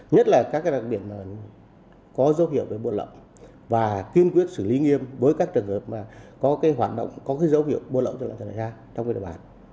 nhất là các đặc biệt có dấu hiệu về buôn lậu và kiên quyết xử lý nghiêm với các trường hợp có dấu hiệu buôn lậu trong địa bàn